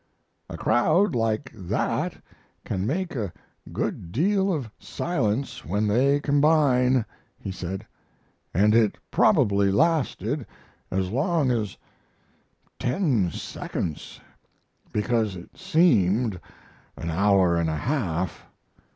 "A crowd like that can make a good deal of silence when they combine," he said, "and it probably lasted as long as ten seconds, because it seemed an hour and a half.